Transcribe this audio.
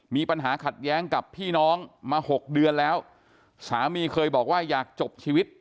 มีปัญหาขัดแย้งกับพี่น้องมาหกเดือนแล้วสามีเคยบอกว่าอยากจบชีวิต